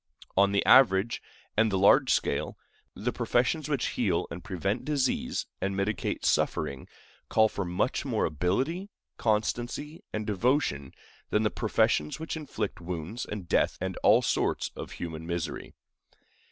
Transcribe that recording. On the average and the large scale, the professions which heal and prevent disease, and mitigate suffering, call for much more ability, constancy, and devotion than the professions which inflict wounds and death and all sorts of human misery.